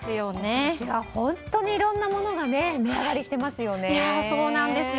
今年は本当にいろいろなものが値上がりしていますよね。